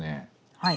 はい。